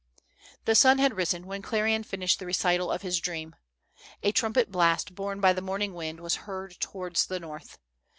The sun had risen when Clerian finished the recital of his dream. A trumpet blast borne by the morning wind was heard towards the north.